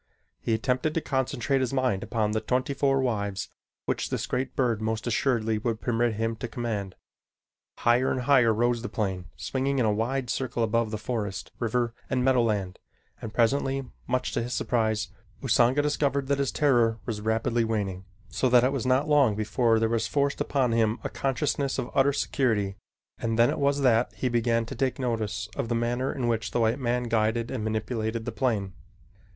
He attempted to concentrate his mind upon the twenty four wives which this great bird most assuredly would permit him to command. Higher and higher rose the plane, swinging in a wide circle above the forest, river, and meadowland and presently, much to his surprise, Usanga discovered that his terror was rapidly waning, so that it was not long before there was forced upon him a consciousness of utter security, and then it was that he began to take notice of the manner in which the white man guided and manipulated the plane.